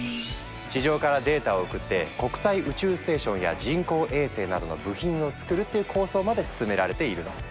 地上からデータを送って国際宇宙ステーションや人工衛星などの部品を作るという構想まで進められているの。